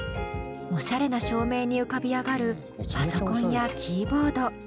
おしゃれな照明に浮かび上がるパソコンやキーボード。